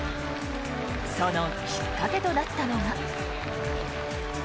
そのきっかけとなったのが。